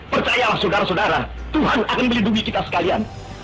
percayalah saudara saudara tuhan akan melindungi kita sekalian